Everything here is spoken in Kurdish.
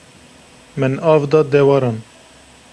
Min av da dewaran.